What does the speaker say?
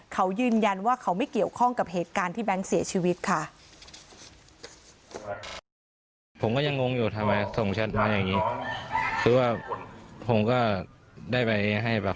เขายืนยันว่าเขาไม่เกี่ยวข้องกับเหตุการณ์ที่แบงค์เสียชีวิตค่ะ